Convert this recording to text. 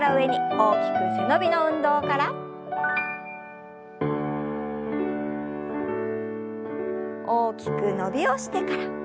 大きく伸びをしてから。